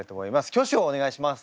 挙手をお願いします。